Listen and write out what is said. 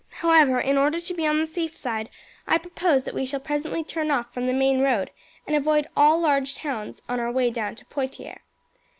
However, in order to be on the safe side I propose that we shall presently turn off from the main road and avoid all large towns on our way down to Poitiers."